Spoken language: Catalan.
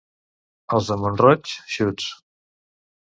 Els de Mont-roig, xuts.